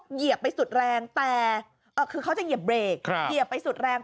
เหยียบไปสุดแรงแต่คือเขาจะเหยียบเบรกเหยียบไปสุดแรง